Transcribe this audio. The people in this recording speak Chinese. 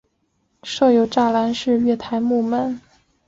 设有栅栏式月台幕门。